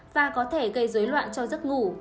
và có thể gây dối loạn cho giấc ngủ